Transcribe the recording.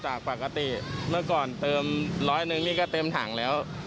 จากปกติเมื่อก่อนเติมร้อยหนึ่งนี่ก็เต็มถังแล้ว